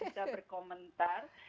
kita tidak boleh berkomentar